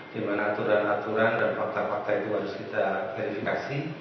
di mana aturan aturan dan fakta fakta itu harus kita verifikasi